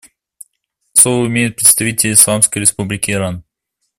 Слово имеет представитель Исламской Республики Иран.